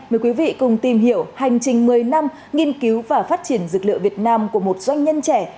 mời quý vị cùng tìm hiểu hành trình một mươi năm nghiên cứu và phát triển dược liệu việt nam của một doanh nhân trẻ